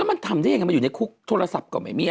มันอยู่ในคุกโทรศัพท์กว่าไม่มี